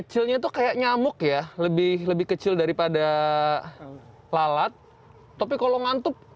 kecilnya tuh kayak nyamuk ya lebih lebih kecil daripada lalat tapi kalau ngantuk